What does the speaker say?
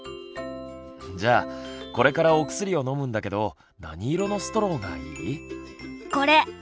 じゃあこれからお薬を飲むんだけど何色のストローがいい？これ。